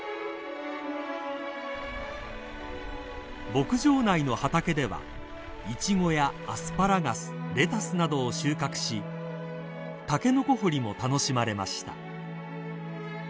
［牧場内の畑ではイチゴやアスパラガスレタスなどを収穫しタケノコ掘りも楽しまれました］